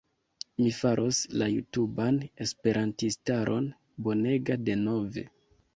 Mi faros la jutuban esperantistaron bonega denove!!